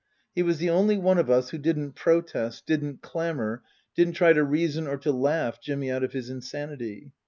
He was the only one of us who didn't protest, didn't clamour, didn't try to reason or to laugh Jimmy out of his insanity.